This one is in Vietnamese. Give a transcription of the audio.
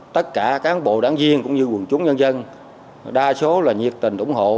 tất cả cán bộ đáng viên cũng như quần chúng nhân dân đa số là nhiệt tình ủng hộ